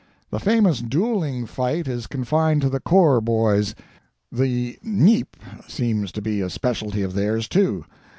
The famous duel fighting is confined to the "corps" boys. The "KNEIP" seems to be a specialty of theirs, too.